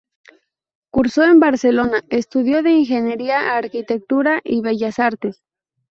Cursó en Barcelona estudios de Ingeniería, Arquitectura y Bellas Artes.